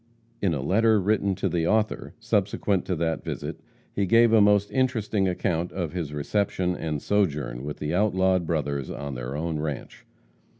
In a letter written to the author, subsequent to that visit, he gave a most interesting account of his reception and sojourn with the outlawed brothers on their own ranche.